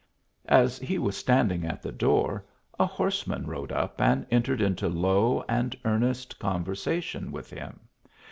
As he was standing at the door, a horseman rode up and entered into low and earnest conversation with him.